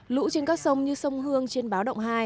lũ trên các sông như sông hương trên báo động hai